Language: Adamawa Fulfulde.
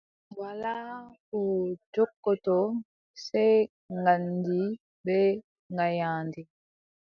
Hoore walaa ko jogotoo, sey ngaandi bee nganyaandi.